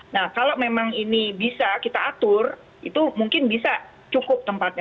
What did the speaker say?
nah kalau memang ini bisa kita atur itu mungkin bisa cukup tempatnya